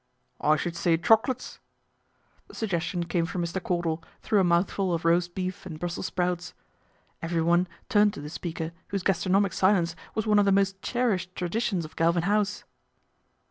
"I should say chocolates." The suggestion came from Mr. Cordal through a mouthful of roast beef and Brussels sprouts. Everyone turned to the speaker, whose gastronomic silence was one of the most cherished traditions of Galvin House.